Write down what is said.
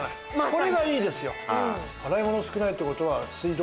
これがいいですよ。